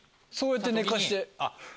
そうやって寝かして。